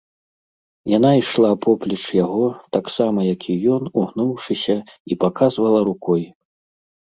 Яна ішла поплеч яго, таксама як і ён, угнуўшыся, і паказвала рукой.